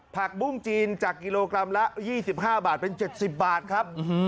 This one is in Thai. ผักบุ้งจีนจากกิโลกรัมละ๒๕บาทเป็น๗๐บาทครับ